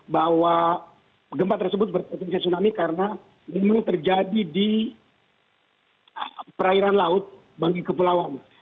bahwa gempa tersebut berpotensi tsunami karena memang terjadi di perairan laut bagi kepulauan